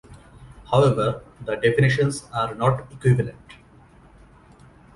However, the definitions are not equivalent.